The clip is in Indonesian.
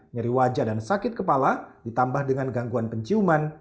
nyeri wajah dan sakit kepala ditambah dengan gangguan penciuman